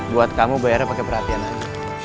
buat kamu bayarnya pakai perhatian aja